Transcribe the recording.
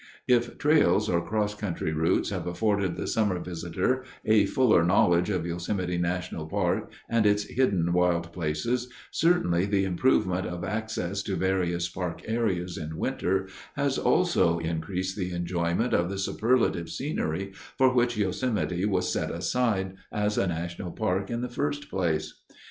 "If trails or cross country routes have afforded the summer visitor a fuller knowledge of Yosemite National Park and its hidden wild places, certainly the improvement of access to various park areas in winter has also increased the enjoyment of the superlative scenery for which Yosemite was set aside as a national park in the first place.